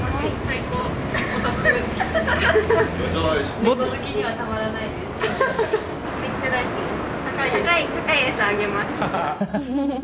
高い餌あげます。